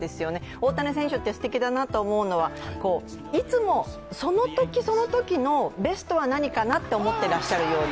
大谷選手ってすてきだなって思うのはいつも、そのときそのときのベストは何かなと思っていらっしゃるようで。